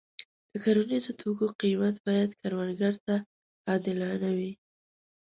د کرنیزو توکو قیمت باید کروندګر ته عادلانه وي.